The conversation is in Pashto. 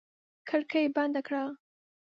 کړکۍ بندې کړه!